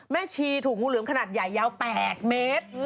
ชีถูกงูเหลือมขนาดใหญ่ยาว๘เมตร